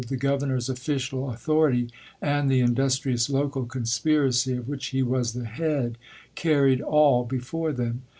the GoverDor's official authority, aud the indus trious local conspiracy of which he was the head, carried all before them.